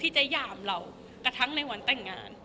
จะหยามเรากระทั่งในวันแต่งงาน